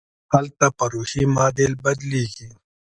هلته پر روحي معادل بدلېږي.